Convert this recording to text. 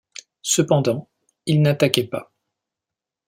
Cependant, il n’attaquait pas.